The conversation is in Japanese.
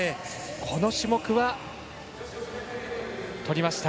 この種目はとりました。